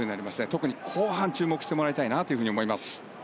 特に後半注目してもらいたいなと思います。